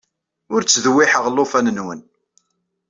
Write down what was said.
Ur ttdewwiḥeɣ alufan-nwen.